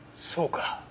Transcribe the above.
そうか。